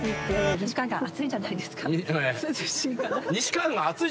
「西海岸暑いじゃないですか」